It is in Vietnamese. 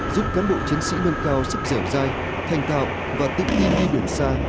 giúp cán bộ chiến sĩ nâng cao sức dẻo dai thành tạo và tinh tin đi biển xa